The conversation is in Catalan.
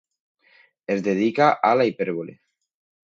Es dedica a la hipèrbole.